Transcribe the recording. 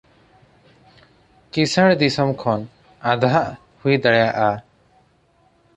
ᱠᱤᱥᱟᱹᱬ ᱫᱤᱥᱚᱢ ᱠᱷᱚᱱ ᱟᱫᱷᱟᱜ ᱦᱩᱭ ᱫᱟᱲᱮᱭᱟᱜ-ᱟ ᱾